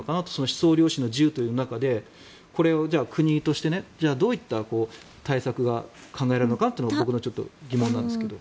思想良心の自由としてこれを国としてどういった対策が考えられるのかなというのが疑問なんですけど。